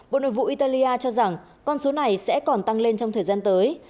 bộ nội vụ italia cho rằng con số này sẽ còn tăng lên trong thời gian tới